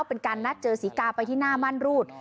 เป็นการนัดเจอศรีกาไปที่หน้ามั่นรูด